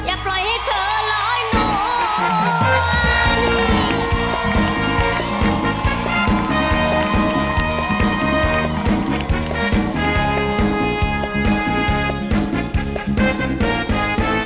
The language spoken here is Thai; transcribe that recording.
อย่าปล่อยให้เธอร้อยหน่วย